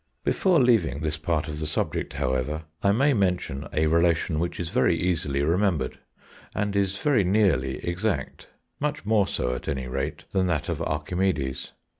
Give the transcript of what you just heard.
Before leaving this part of the subject, however, I may mention a relation which is very easily remembered, and is very nearly exact—much more so, at any rate, than that of Archimedes.